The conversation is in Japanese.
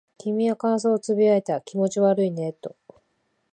君は感想を呟いた。気持ち悪いねと。